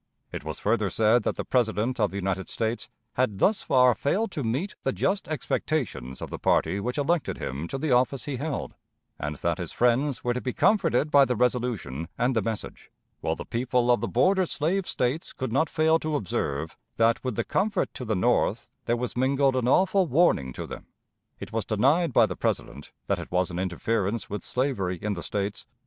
It was further said that the President of the United States had thus far failed to meet the just expectations of the party which elected him to the office he held; and that his friends were to be comforted by the resolution and the message, while the people of the border slave States could not fail to observe that with the comfort to the North there was mingled an awful warning to them. It was denied by the President that it was an interference with slavery in the States.